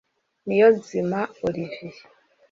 Niyonzima Olivier